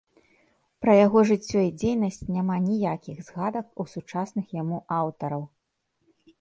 Пра яго жыццё і дзейнасць няма ніякіх згадак у сучасных яму аўтараў.